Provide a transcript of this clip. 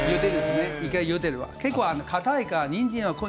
結構かたいからにんじんが。